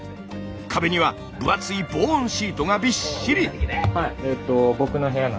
壁には分厚い防音シートがびっしり！